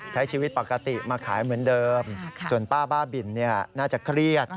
ใช้ชีวิตปกติมาขายเหมือนเดิมส่วนป้าบ้าบินน่าจะเครียด